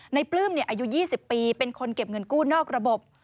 ปลื้มอายุ๒๐ปีเป็นคนเก็บเงินกู้นอกระบบ